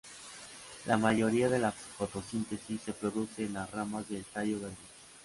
La mayoría de la fotosíntesis se produce en las ramas del tallo verde.